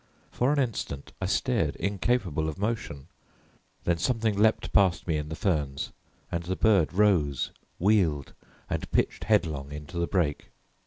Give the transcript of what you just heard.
For an instant I stared, incapable of motion; then something leaped past me in the ferns and the bird rose, wheeled, and pitched headlong into the brake.